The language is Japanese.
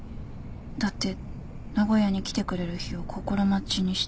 だって「名古屋に来てくれる日を心待ちにしているよ」って。